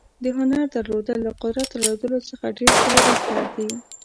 د هنر درلودل له قدرت درلودلو څخه زر ځله بهتر دي.